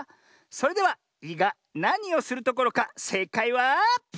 それでは「い」がなにをするところかせいかいは。